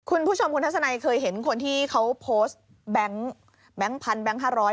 คุณผู้ชมคุณทัศนัยเคยเห็นคนที่เขาโพสต์แบงค์พันแบงค์๕๐๐